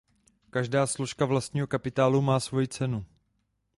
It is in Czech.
Každá složka vlastního kapitálu má svoji cenu.